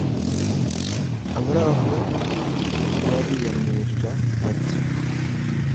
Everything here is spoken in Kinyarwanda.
abari aho bariyamirira bati: